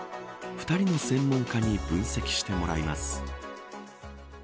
２人の専門家に分析してもらいます。